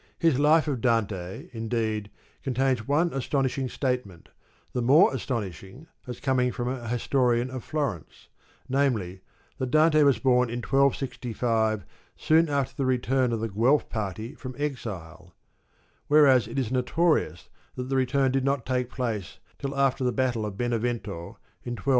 His " Life of Dante," indeed, contains one astonish ing statement, the more astonishing as coming from a historian of Florence, namely, that Dante was born in 1265, soon after the return of the Gue If party from exile; whereas it is notorious that the return did not take place till after the Battle of Benevento in 1266.